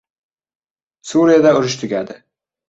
Suriyada urush tugadi...